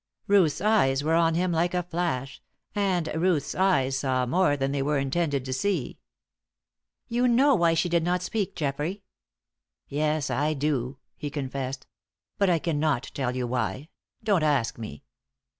Ruth's eyes were on him like a flash, and Ruth's eyes saw more than they were intended to see. "You know why she did not speak, Geoffrey?" "Yes, I do," he confessed, "but I cannot tell you why. Don't ask me."